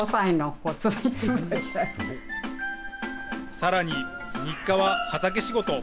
さらに日課は畑仕事。